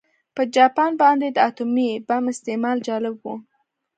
په جاپان باندې د اتومي بم استعمال جالب و